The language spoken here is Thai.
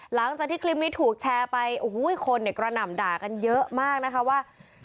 หลังจากที่คลิปนี้ถูกแชร์ไปโอ้โหคนกระหน่ำด่ากันเยอะมากนะคะว่า